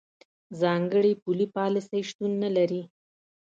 ځانګړې پولي پالیسۍ شتون نه لري.